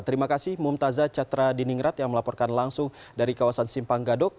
terima kasih mbak umtaza cetra diningrat yang melaporkan langsung dari kawasan simpang gadog